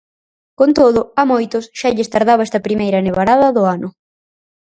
Con todo, a moitos xa lles tardaba esta primeira nevarada do ano.